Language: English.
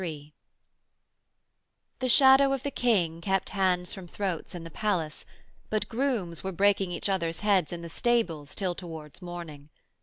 III The shadow of the King kept hands from throats in the palace, but grooms were breaking each others' heads in the stables till towards morning.